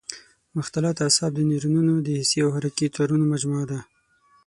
مختلط اعصاب د نیورونونو د حسي او حرکي تارونو مجموعه ده.